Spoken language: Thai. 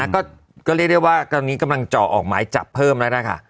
ก็เรียกได้ว่าตอนนี้กำลังเจาะออกหมายจับเพิ่มแล้วนะคะ